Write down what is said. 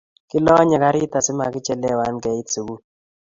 Kilonye karit asimamichelewan keit sukul